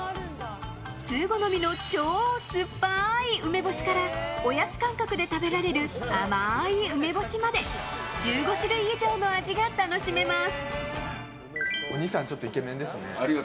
通好みの超酸っぱい梅からおやつ感覚で食べられる甘い梅干しまで１５種類以上の味が楽しめます。